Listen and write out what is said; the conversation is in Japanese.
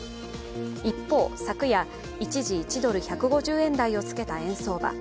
一方、昨夜一時１ドル＝１５０円台をつけた円相場。